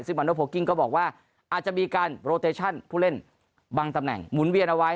ซึ่งบันดาล์โพลกิ้งก็บอกว่าอาจจะมีการผู้เล่นบางตำแหน่งหมุนเวียนเอาไว้